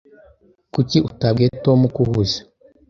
Kuki utabwiye Tom ko uhuze?